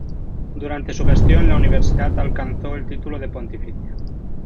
Durante su gestión la universidad alcanzó el título de Pontificia.